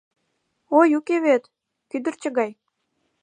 Ой, уке вет, кӱдырчӧ гай…